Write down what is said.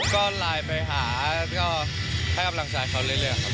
ก็ไลน์ไปหาก็ให้กำลังใจเขาเรื่อยครับ